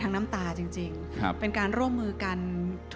เพราะฉะนั้นเราทำกันเนี่ย